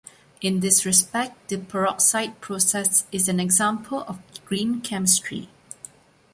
In this respect, the Peroxide process is an example of Green Chemistry.